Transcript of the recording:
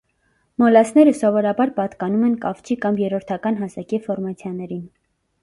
Մոլասները սովորաբար պատկանում են կավճի կամ երրորդական հասակի ֆորմացիաներին։